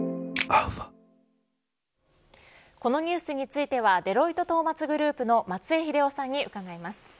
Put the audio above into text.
このニュースについてはデロイトトーマツグループの松江英夫さんにお伺います。